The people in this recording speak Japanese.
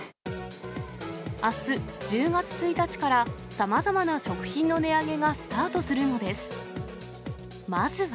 あす１０月１日からさまざまな食品の値上げがスタートするのです。